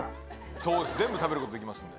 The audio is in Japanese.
そうです全部食べることできますんで。